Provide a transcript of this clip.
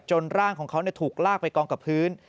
ร่างของเขาถูกลากไปกองกับพื้น